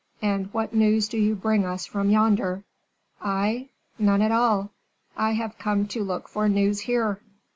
And what news do you bring us from yonder?" "I? None at all. I have come to look for news here."